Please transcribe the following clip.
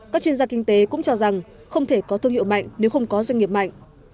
các chuyên gia kinh tế cũng cho rằng không thể có thương hiệu mạnh nếu không có doanh nghiệp mạnh